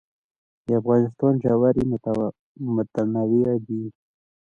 د افغانستان ژوي متنوع دي